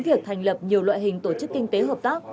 việc thành lập nhiều loại hình tổ chức kinh tế hợp tác